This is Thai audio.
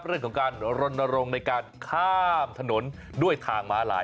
เรื่องของการรณรงค์ในการข้ามถนนด้วยทางม้าลาย